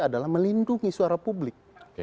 adalah melindungi suara publik